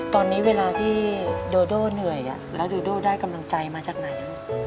ตอนนี้เวลาที่โดโดเหนื่อยแล้วโดโด่ได้กำลังใจมาจากไหน